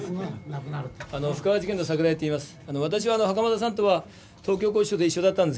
布川事件の桜井と言います。